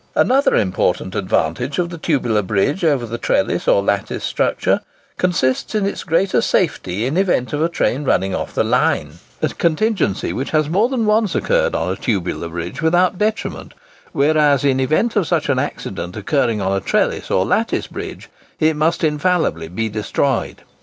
Another important advantage of the Tubular bridge over the Trellis or Lattice structure, consists in its greater safety in event of a train running off the line,—a contingency which has more than once occurred on a tubular bridge without detriment, whereas in event of such an accident occurring on a Trellis or Lattice bridge, it must infallibly be destroyed.